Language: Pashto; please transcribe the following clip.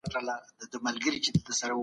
مثبت فکر د ژوند په هر ګام کي ستاسو ملګری دی.